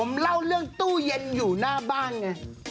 ผมเล่าเรื่องตู้เย็นอยู่หน้าบ้านไง